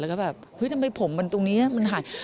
แล้วก็แบบเฮ้ยทำไมผมมันตรงนี้มันหาย